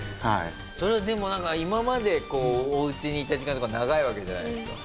それはでもなんか今までこうお家にいた時間が長いわけじゃないですか。